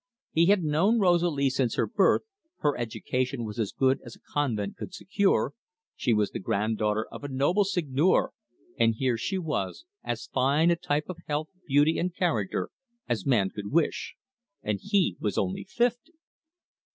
He had known Rosalie since her birth, her education was as good as a convent could secure, she was the granddaughter of a notable seigneur, and here she was, as fine a type of health, beauty and character as man could wish and he was only fifty!